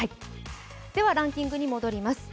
ではランキングに戻ります。